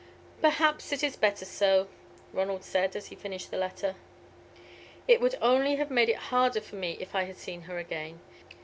"Perhaps it is better so," Ronald said, as he finished the letter. "It would only have made it harder for me if I had seen her again.